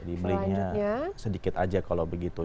jadi belinya sedikit saja kalau begitu